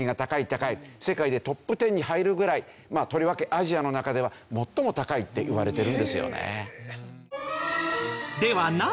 世界でトップ１０に入るぐらいとりわけアジアの中では最も高いっていわれてるんですよね。